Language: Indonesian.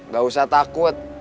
gak usah takut